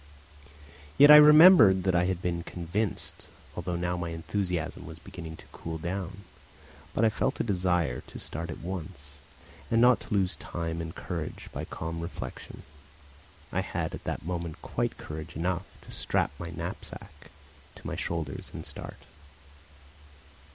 Yet I remembered that I had been convinced, although now my enthusiasm was beginning to cool down; but I felt a desire to start at once, and not to lose time and courage by calm reflection. I had at that moment quite courage enough to strap my knapsack to my shoulders and start.